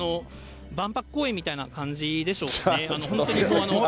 万博公園みたいな感じでしょうかね。